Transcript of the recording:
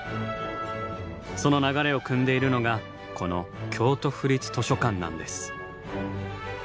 その流れをくんでいるのがこの「京都府立図書館」なんです。